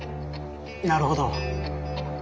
なるほど。